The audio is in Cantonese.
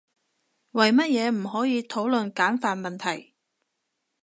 為乜嘢唔可以討論簡繁問題？